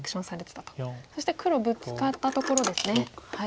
そして黒ブツカったところですね。